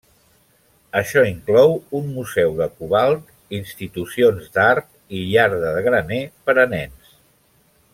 Això inclou un museu de cobalt, institucions d'art i iarda de graner per a nens.